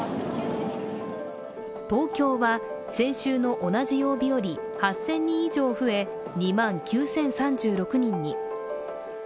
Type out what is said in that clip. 東京は先週の同じ曜日より８０００人以上増え、２万９０３６人に。